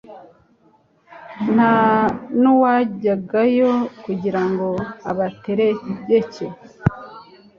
nta n'uwajyagayo kugira ngo abategeke